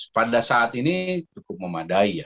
pada saat ini cukup memadai ya